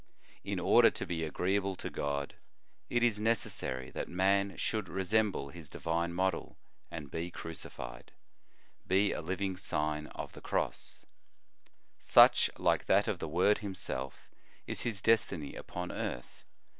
In order to be agreeable to God, it is necessary that man should resemble his Divine Model, and be crucified ; be a living Sign of the Cross. 1 20 The Sign of the Cross Such, like that of the Word Himself, is his destiny upon earth.